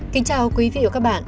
kính chào quý vị và các bạn